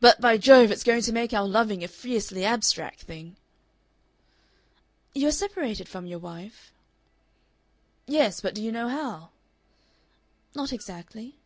But, by Jove! it's going to make our loving a fiercely abstract thing." "You are separated from your wife?" "Yes, but do you know how?" "Not exactly."